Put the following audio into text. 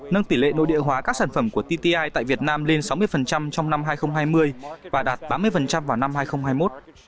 nâng tỷ lệ nội địa hóa các sản phẩm của tti tại việt nam lên sáu mươi trong năm hai nghìn hai mươi và đạt tám mươi vào năm hai nghìn hai mươi một